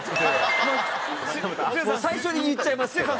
もう最初に言っちゃいますけど。